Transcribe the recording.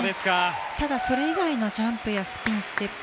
ただ、それ以外のジャンプやスピン、ステップ